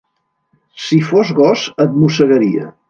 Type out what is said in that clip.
Si fos gos et mossegaria.